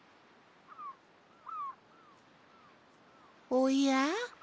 おや。